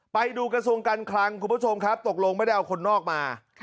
ไปดูกระทรวงการคลังคุณผู้ชมครับตกลงไม่ได้เอาคนนอกมา